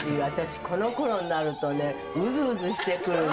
私、このころになるとうずうずしてくるの。